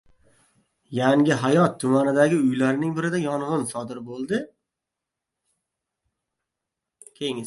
Yangihayot tumanidagi uylarning birida yong‘in sodir bo‘ldi